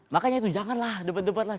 makanya itu janganlah debat debat lah